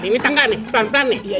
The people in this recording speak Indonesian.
ini tangga nih pelan pelan nih